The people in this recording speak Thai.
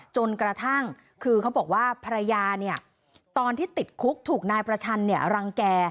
จนกระทั่งคือเขาบอกว่าภรรยาตอนที่ติดคุกถูกนายประชันรังแก่